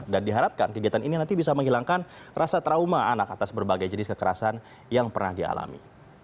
diharapkan kegiatan ini nanti bisa menghilangkan rasa trauma anak atas berbagai jenis kekerasan yang pernah dialami